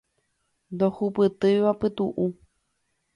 Ndohupytýiva pytu'u